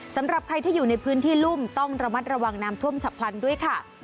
สำหรับใครที่อยู่ในพื้นที่รุ่มต้องระมัดระวังน้ำท่วมฉับพลันด้วยค่ะ